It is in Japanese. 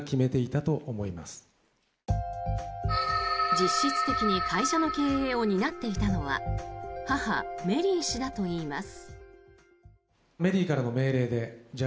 実質的に会社の経営を担っていたのは母・メリー氏だといいます。